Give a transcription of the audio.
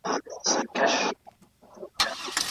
زده کړه د محیط د پوهاوي د رامنځته کولو لپاره اړینه ده.